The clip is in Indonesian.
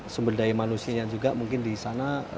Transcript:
sumber daya manusianya juga mungkin di sana